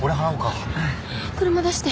車出して。